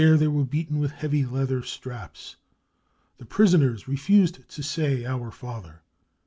They were beaten with heavy leather straps. The prisoners refused to say the c Our Father.